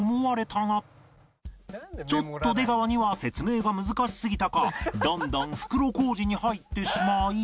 ちょっと出川には説明が難しすぎたかどんどん袋小路に入ってしまい